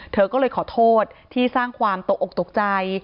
เธอก็เลยขอโทษที่สร้างความตกอกตกใจ